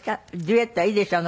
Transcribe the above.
デュエットはいいでしょ？